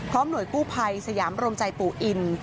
หน่วยกู้ภัยสยามรวมใจปู่อิน